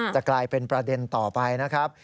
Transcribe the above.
จะกลายเป็นประเด็นต่อไปนะครับ